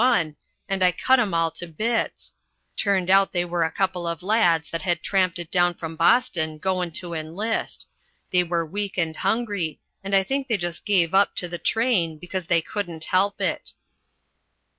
1, and I cut 'em all to bits. Turned out they were a couple of lads that had tramped it down from Boston, goin' to enlist. They were weak and hungry, and I think they just gave up to the train because they couldn't help it."